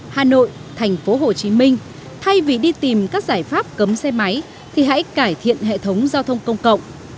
hà nội thành phố hồ chí minh thay vì đi tìm các giải pháp cấm xe máy thì hãy cải thiện hệ thống giao thông công cộng